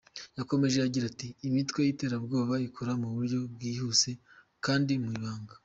Yakomeje agira ati “Imitwe y’iterabwoba ikora mu buryo bwihuse kandi mu ibanga.